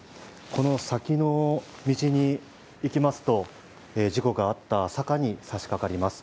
この先の道に行きますと事故があった坂にさしかかります。